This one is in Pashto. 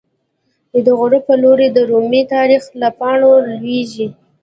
د غروب په لوری د رومی، د تاریخ له پاڼو لویزی